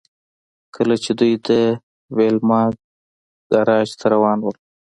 کله چې دوی د ویلما ګراج ته روان وو